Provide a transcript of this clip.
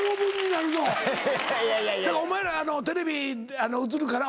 だからお前らテレビ映るから。